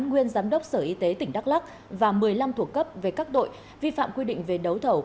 nguyên giám đốc sở y tế tỉnh đắk lắc và một mươi năm thuộc cấp về các tội vi phạm quy định về đấu thầu